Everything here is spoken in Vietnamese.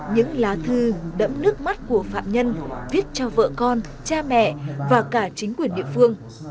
những lá thư đẫm nước mắt của phạm nhân viết cho vợ con cha mẹ và cả chính quyền địa phương